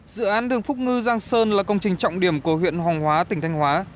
dự án đường phúc ngư giang sơn là công trình trọng điểm của huyện hoàng hóa tỉnh thanh hóa